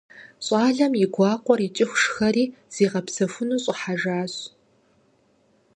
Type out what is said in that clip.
Щӏалэм и гуакъуэр икӏыху шхэри зигъэпсэхуну щӏыхьэжащ.